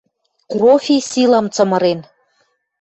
Крофи силам цымырен.